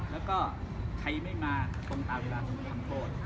และใครไม่มาตรงต่อเวลาคือทำโปรด